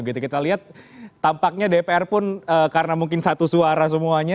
kita lihat tampaknya dpr pun karena mungkin satu suara semuanya